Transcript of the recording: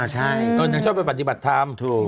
ใช่นางชอบไปปฏิบัติธรรมถูก